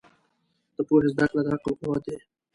د پوهې زده کړه د عقل قوت دی.